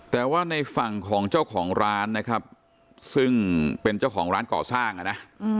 แต่ว่าในฝั่งของเจ้าของร้านนะครับซึ่งเป็นเจ้าของร้านก่อสร้างอ่ะนะ